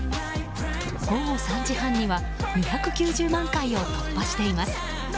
午後３時半には２９０万回を突破しています。